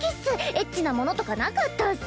エッチなものとかなかったっス。